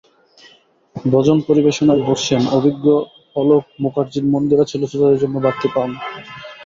ভজন পরিবেশনায় বর্ষীয়ান, অভিজ্ঞ অলোক মুখার্জির মন্দিরা ছিল শ্রোতাদের জন্য বাড়তি পাওনা।